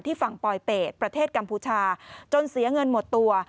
ฝั่งปลอยเป็ดประเทศกัมพูชาจนเสียเงินหมดตัว